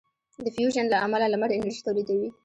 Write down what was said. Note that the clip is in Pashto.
د فیوژن له امله لمر انرژي تولیدوي.